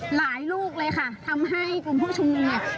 ลูกเลยค่ะทำให้กลุ่มผู้ชุมนุมเนี่ย